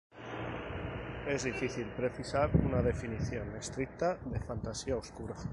Es difícil precisar una definición estricta de fantasía oscura.